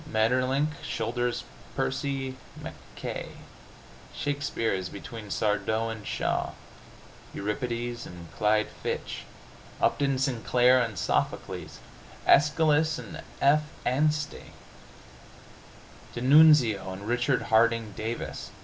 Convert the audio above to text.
Maeterlinck shoulders Percy Mackaye. Shakespeare is between Sardou and Shaw. Euripides and Clyde Fitch! Upton Sinclair and Sophocles! Aeschylus and F. Anstey! D'Annunzio and Richard Harding Davis!